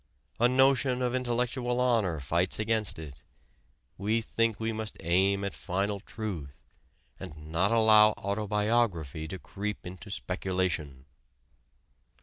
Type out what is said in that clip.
A notion of intellectual honor fights against it: we think we must aim at final truth, and not allow autobiography to creep into speculation.